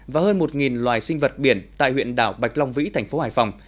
và hơn một loài sinh vật biển tại huyện đảo bạch long vĩ thành phố hải phòng